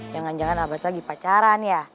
jangan jangan abas lagi pacaran ya